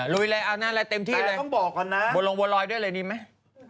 ลุยเลยเอานั่นเลยเต็มที่เลยบวลลงบวลลอยด้วยเลยนี่ไหมต้องบอกก่อนนะ